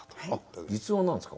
実話なんですか？